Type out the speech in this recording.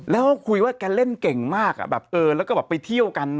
แล้วก็คุยว่าแกเล่นเก่งมากแบบเออแล้วก็แบบไปเที่ยวกัน